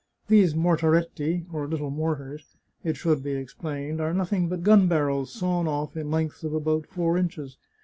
These ntortaretti (or little mortars), it should be ex plained, are nothing but g^n barrels sawn off in lengths of about four inches.